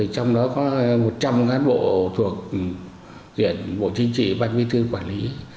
trong đó có một trăm linh cán bộ thuộc huyện bộ chính trị ban viên thư quản lý